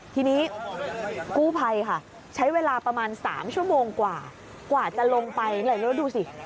ทีนี้กู้ภัยค่ะใช้เวลาประมาณ๓ชั่วโมงกว่ากว่าจะลงไปแล้วดูสิ